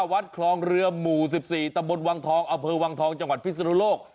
หวัดเคราะห์เรือหมู่๑๔ตโบร์ตวงท้องอาเพอวงท้องจพิศนุโลก